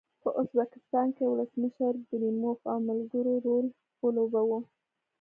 په ازبکستان کې ولسمشر کریموف او ملګرو رول لوباوه.